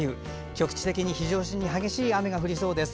局地的に非常に激しい雨が降りそうです。